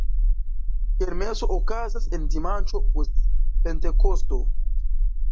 Kermeso okazas en dimanĉo post Pentekosto.